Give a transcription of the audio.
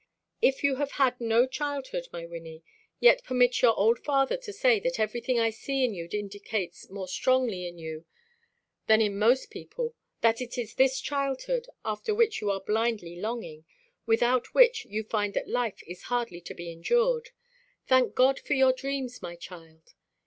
If you have had no childhood, my Wynnie, yet permit your old father to say that everything I see in you indicates more strongly in you than in most people that it is this childhood after which you are blindly longing, without which you find that life is hardly to be endured. Thank God for your dreams, my child.